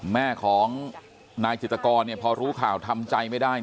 แม่ของนายจิตกรพอรู้ข่าวทำใจไม่ได้